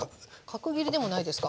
角切りでもないですか？